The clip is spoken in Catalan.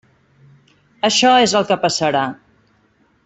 Això és el que passarà.